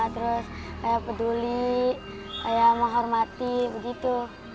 terus kayak peduli kayak menghormati begitu